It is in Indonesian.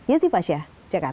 yazif asyah jakarta